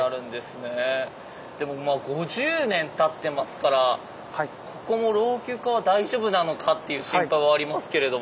でも５０年たってますからここも老朽化は大丈夫なのかっていう心配はありますけれども。